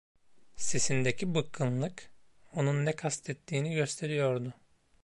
Sesindeki bıkkınlık onun ne kastettiğini gösteriyordu.